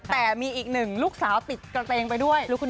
แต่มีอีกหนึ่งลูกสาวติดกระเตงไปด้วย